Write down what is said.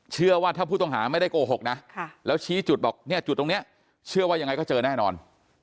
เชื่อว่าถ้าผู้ต้องหาไม่ได้โกหกนะแล้วชี้จุดบอกเนี่ยจุดตรงนี้เชื่อว่ายังไงก็เจอแน่นอน